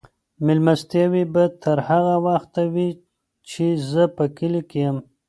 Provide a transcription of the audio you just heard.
مېلمستیاوې به تر هغه وخته وي چې زه په کلي کې یم.